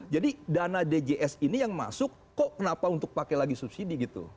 jadi dana dgs ini yang masuk kok kenapa untuk pakai lagi subsidi gitu